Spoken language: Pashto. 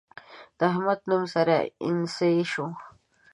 د احمد نوم سره اينڅۍ شو.